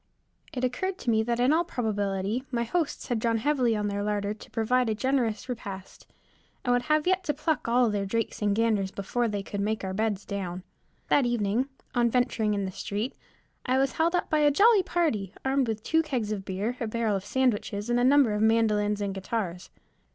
It occurred to me that in all probability my hosts had drawn heavily on their larder to provide a generous repast, and would yet have to pluck all their drakes and ganders before they could make our beds down. That evening, on venturing in the street, I was held up by a jolly party, armed with two kegs of beer, a barrel of sandwiches, and a number of mandolins and guitars.